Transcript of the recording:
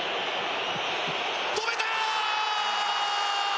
止めた！